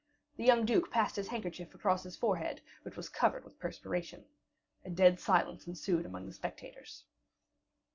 The young duke passed his handkerchief across his forehead, which was covered with perspiration. A dead silence ensued among the spectators.